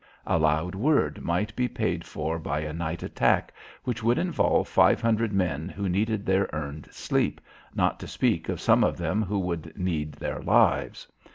A loud word might be paid for by a night attack which would involve five hundred men who needed their earned sleep, not to speak of some of them who would need their lives.